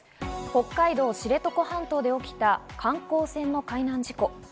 北海道知床半島で起きた観光船の海難事故。